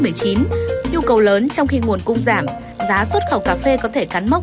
nhu cầu lớn trong khi nguồn cung giảm giá xuất khẩu cà phê có thể cắn mốc